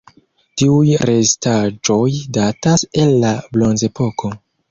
Tiuj restaĵoj datas el la Bronzepoko.